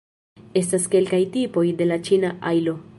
Estas kelkaj tipoj de la ĉina ajlo.